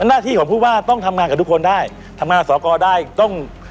หน้าที่ของผู้ว่าต้องทำงานกับทุกคนได้ทำงานกับสอกรได้ต้อง